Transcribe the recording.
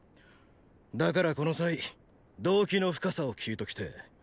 だからこの際“動機の深さ”を聞いときてェ。